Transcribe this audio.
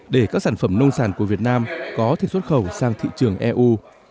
để các sản phẩm nông sản của việt nam có thể xuất khẩu sang thị trường eu